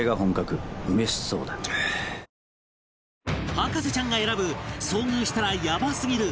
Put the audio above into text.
博士ちゃんが選ぶ遭遇したらヤバすぎる